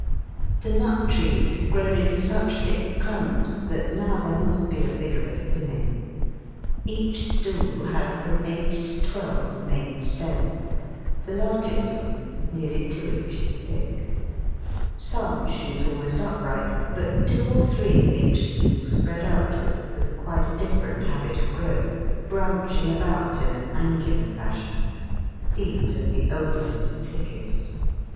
The nut trees have grown into such thick clumps that now there must be a vigorous thinning. Each stool has from eight to twelve main stems, the largest of them nearly two inches thick. Some shoot almost upright, but two or three in each stool spread outward, with quite a different habit of growth, branching about in an angular fashion. These are the oldest and thickest.